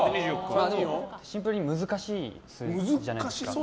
シンプルに難しい数字じゃないですか。